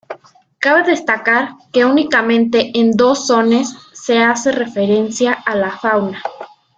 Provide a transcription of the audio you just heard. Cabe destacar que únicamente en dos sones se hace referencia a la fauna.